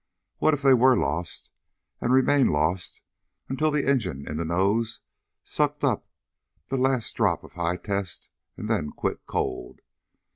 What if they were lost, and remained lost until the engine in the nose sucked up the last drop of high test, and then quit cold?